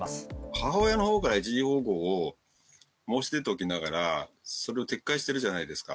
母親のほうから一時保護を申し出ておきながら、それを撤回してるじゃないですか。